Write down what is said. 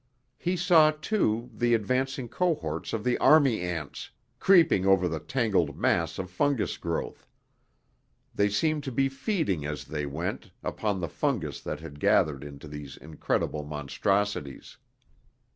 He saw, too, the advancing cohorts of the army ants, creeping over the tangled mass of fungus growth. They seemed to be feeding as they went, upon the fungus that had gathered into these incredible monstrosities.